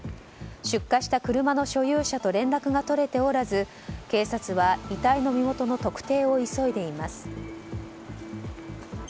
出火した車の所有者と連絡が取れておらず警察は遺体の身元の特定を急いでいます。